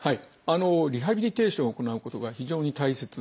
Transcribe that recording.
リハビリテーションを行うことが非常に大切です。